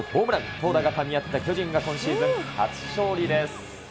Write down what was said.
投打がかみ合った巨人が、今シーズン初勝利です。